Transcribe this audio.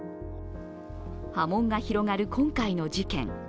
波紋が広がる今回の事件。